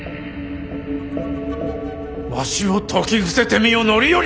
わしを説き伏せてみよ範頼！